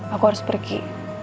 aku harus pergi